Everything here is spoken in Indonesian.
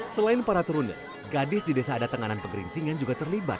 selain para turunnya gadis di desa ada tenganan pegeringsingan juga terlibat